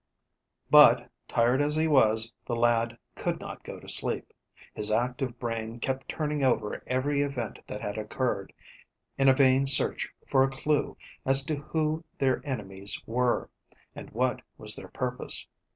But, tired as he was, the lad could not go to sleep. His active brain kept turning over every event that had occurred, in a vain search for a clew as to who their enemies were, and what was their purpose.